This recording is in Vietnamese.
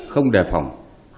không đề phòng